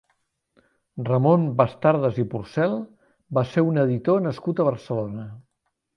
Ramon Bastardes i Porcel va ser un editor nascut a Barcelona.